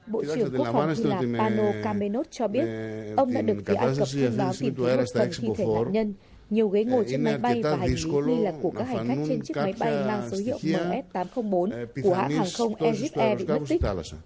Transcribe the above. bộ trưởng quốc phòng hy lạp pano kamenot cho biết ông đã được tìm án cập thêm vào tìm kiếm một phần thi thể nạn nhân nhiều ghế ngồi trên máy bay và hành lý liên lạc của các hành khách trên chiếc máy bay mang số hiệu ms tám trăm linh bốn của hãng hàng không egypt air bị mất tích